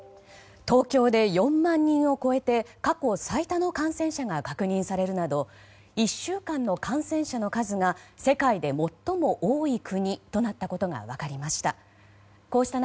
東京で４万人を超えて過去最多の感染者が確認されるなど１週間の感染者の数が世界で最も多い国となったことが分かりました。